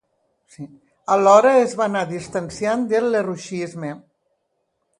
Alhora es va anar distanciant del lerrouxisme.